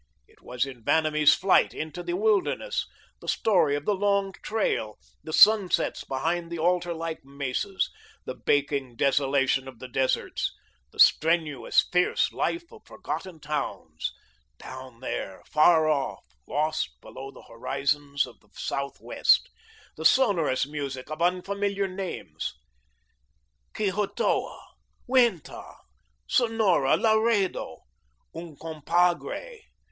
It was in Vanamee's flight into the wilderness; the story of the Long Trail, the sunsets behind the altar like mesas, the baking desolation of the deserts; the strenuous, fierce life of forgotten towns, down there, far off, lost below the horizons of the southwest; the sonorous music of unfamiliar names Quijotoa, Uintah, Sonora, Laredo, Uncompahgre.